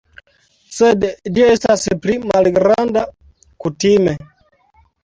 Sed ĝi estas pli malgranda, kutime.